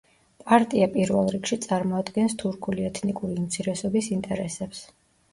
პარტია პირველ რიგში წარმოადგენს თურქული ეთნიკური უმცირესობის ინტერესებს.